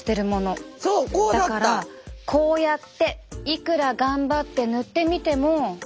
だからこうやっていくら頑張って塗ってみても。